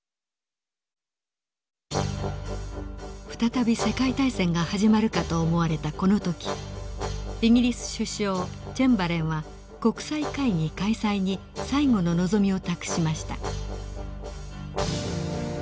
再び世界大戦が始まるかと思われたこの時イギリス首相チェンバレンは国際会議開催に最後の望みを託しました。